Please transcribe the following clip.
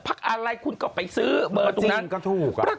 พักอาร์ไลท์คุณก็ไปซื้อบริเวณตรงนั้นก็ถูก